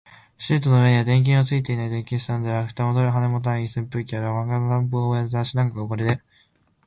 シートの上には、電球のついていない電気スタンドやら、蓋も羽も取れた扇風機やら、漫画の単行本や雑誌なんかが置かれている